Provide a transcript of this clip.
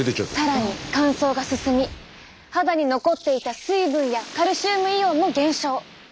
更に乾燥が進み肌に残っていた水分やカルシウムイオンも減少。